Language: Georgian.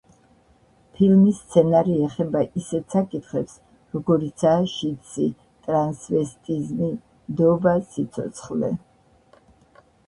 ფილმის სცენარი ეხება ისეთ საკითხებს, როგორიცაა შიდსი, ტრანსვესტიზმი, ნდობა, სიცოცხლე.